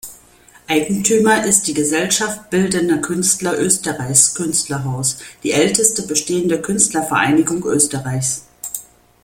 Eigentümer ist die "Gesellschaft bildender Künstler Österreichs, Künstlerhaus", die älteste bestehende Künstlervereinigung Österreichs.